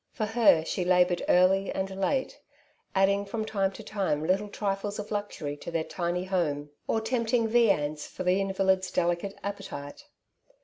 For her she laboured early and late, adding from time to time little trifles of luxury to their tiny home, or tempt ing viands for the invalid's delicate appetite.